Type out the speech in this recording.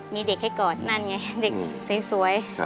มีเด็กให้กอดนั่นไงเด็กสวย